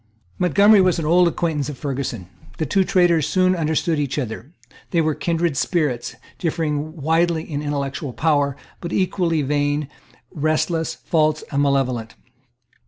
Montgomery was an old acquaintance of Ferguson. The two traitors soon understood each other. They were kindred spirits, differing widely in intellectual power, but equally vain, restless, false and malevolent.